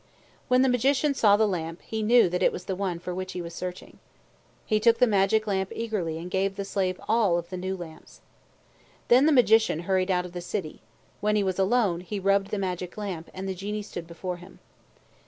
When the Magician saw the lamp, he knew that it was the one for which he was searching. He took the magic lamp eagerly and gave the slave all of the new lamps. Then the Magician hurried out of the city. When he was alone, he rubbed the magic lamp, and the Genie stood before him.